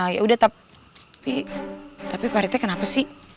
ya udah tapi pak rete kenapa sih